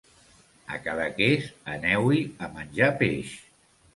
A Cadaqués aneu-hi a menjar peix.